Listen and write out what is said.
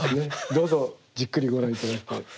どうぞじっくりご覧頂いて。